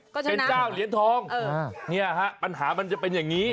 เป็นเจ้าเหรียญทองเนี่ยฮะปัญหามันจะเป็นอย่างนี้